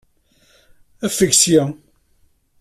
Afeg ssya!